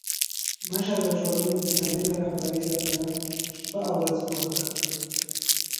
مشر د ټولني د سالمي رهبري لپاره شپه او ورځ کوښښ کوي.